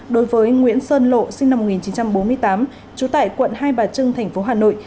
đối với nguyễn sơn lộ sinh năm một nghìn chín trăm bốn mươi tám trú tại quận hai bà trưng tp hà nội